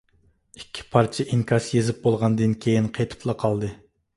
ئىككى پارچە ئىنكاس يېزىپ بولغاندىن كېيىن قېتىپلا قالدى.